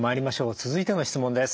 続いての質問です。